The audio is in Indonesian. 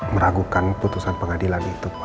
meragukan putusan pengadilan itu